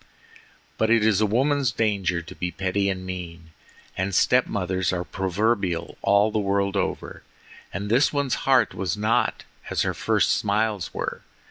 But it is a woman's danger to be petty and mean, and step mothers are proverbial all the world over, and this one's heart was not as her first smiles were.